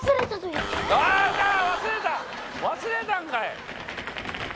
忘れたんかい！